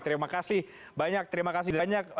terima kasih banyak terima kasih banyak